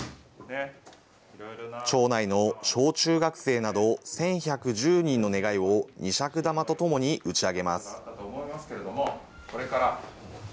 町内の小中学生など、１１１０人の願いを二尺玉とともに打ち上げます。